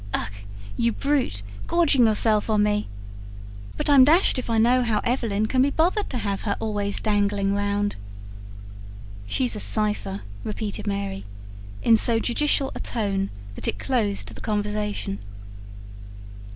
"Ugh, you brute! ... gorging yourself on me. But I'm dashed if I know how Evelyn can be bothered to have her always dangling round." "She's a cipher," repeated Mary, in so judicial a tone that it closed the conversation.